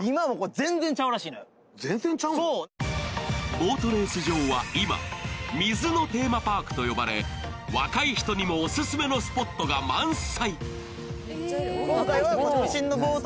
ボートレース場は今水のテーマパークと呼ばれ若い人にもオススメのスポットが満載。